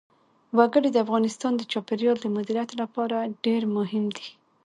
وګړي د افغانستان د چاپیریال د مدیریت لپاره ډېر مهم دي.